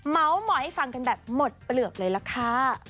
เมาส์มอยให้ฟังกันแบบหมดเปลือกเลยล่ะค่ะ